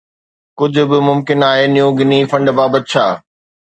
ڪجهه به ممڪن آهي نيو گني فنڊ بابت ڇا؟